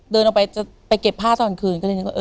เดินออกไปจะไปเก็บผ้าตอนคืนก็เลยนึกว่า